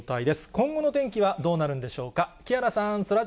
今後の天気はどうなるんでしょうか。